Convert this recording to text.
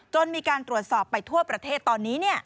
มีการตรวจสอบไปทั่วประเทศตอนนี้